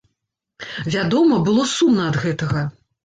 Вядома, было сумна ад гэтага.